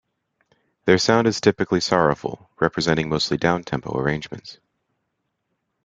Their sound is typically sorrowful, representing mostly down-tempo arrangements.